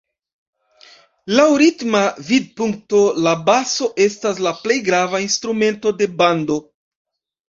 Laŭ ritma vidpunkto la baso estas la plej grava instrumento de bando.